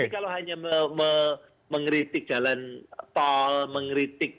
jadi kalau hanya mengeritik jalan tol mengeritik